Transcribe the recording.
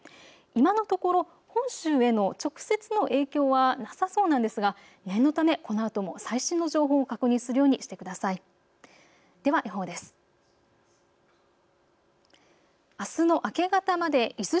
今のところ、本州への直接の影響はなさそうなんですが念のため、このあとも最新の情報を確認するようにしてください。